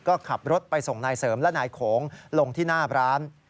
ก็ขับรถไปส่งนายเสริมและนายโขงลงที่หน้าร้าน